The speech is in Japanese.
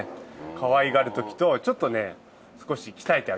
かわいがる時とちょっとね少し鍛えてあげる時も。